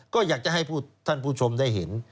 ก็อยากจะให้ท่านผู้ชมได้เห็น